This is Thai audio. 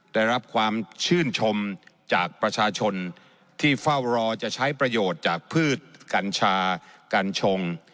ได้รับความชื่นชมจากประชาชนที่เฝ้ารอจะใช้ประโยชน์จากพืชกัญชากัญชง